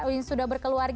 yang sudah berkeluarga